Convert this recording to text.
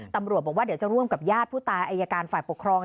ตำรวจบอกว่าเดี๋ยวจะร่วมกับญาติผู้ตายอายการฝ่ายปกครอง